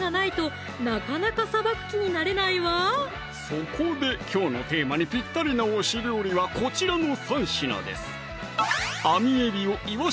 そこできょうのテーマにぴったりな推し料理はこちらの３品ですあみ